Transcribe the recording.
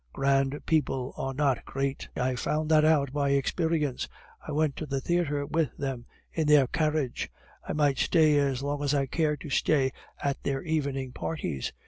Grand people are not great. I found that out by experience! I went to the theatre with them in their carriage; I might stay as long as I cared to stay at their evening parties.